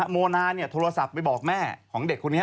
โมนาโทรศัพท์ไปบอกแม่ของเด็กคนนี้